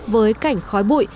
với cảnh khói bụi